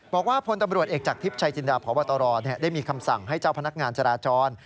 บอกว่าพลตำรวจเอกจักทริปชัยจินดาพันวตรได้มีคำสั่งให้เจ้าพนักงานจราจร